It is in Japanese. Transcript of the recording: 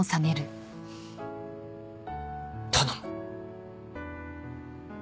頼む。